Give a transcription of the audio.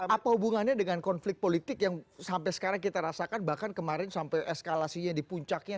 apa hubungannya dengan konflik politik yang sampai sekarang kita rasakan bahkan kemarin sampai eskalasinya di puncaknya